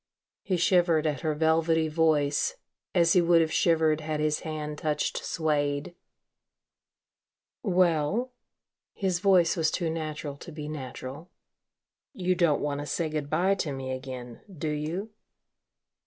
He shivered at her velvety voice, as he would have shivered had his hand touched suede. "Well," his voice was too natural to be natural, "you don't want to say good bye to me again, do you?"